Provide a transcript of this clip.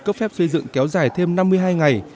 cấp phép xây dựng kéo dài thêm năm mươi hai ngày